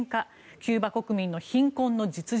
キューバ国民の貧困の実情。